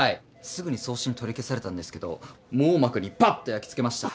すぐに送信取り消されたんですけど網膜にぱっ！と焼き付けました。